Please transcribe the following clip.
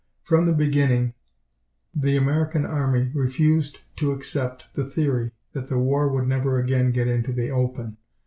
From the beginning, the American Army refused to accept the theory that the war would never again get into the open.